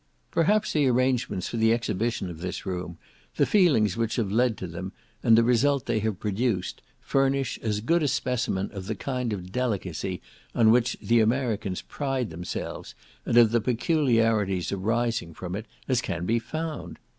Perhaps the arrangements for the exhibition of this room, the feelings which have led to them, and the result they have produced, furnish as good a specimen of the kind of delicacy on which the Americans pride themselves, and of the peculiarities arising from it, as can be found.